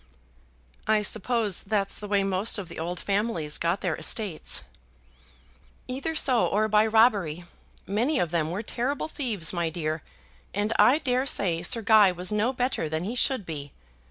"I suppose that's the way most of the old families got their estates." "Either so, or by robbery. Many of them were terrible thieves, my dear, and I dare say Sir Guy was no better than he should be.